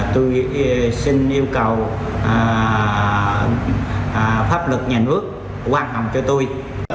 tôi xin yêu cầu pháp luật nhà nước quan hồng cho tôi